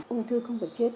ông thư không phải chết